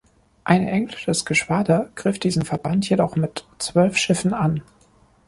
Ein englisches Geschwader griff diesen Verband jedoch mit zwölf Schiffen an.